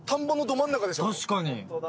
確かに。